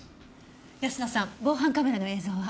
泰乃さん防犯カメラの映像は？